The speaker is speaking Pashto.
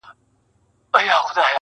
ورته څیري تر لمني دي گرېوان کړه!!